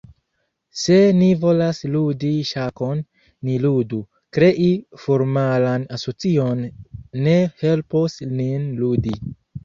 Se ni volas ludi ŝakon, ni ludu, krei formalan asocion ne helpos nin ludi.